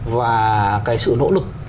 và cái sự nỗ lực